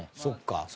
そっか。